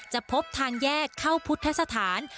พบทางแยกเข้าพุทธสถาน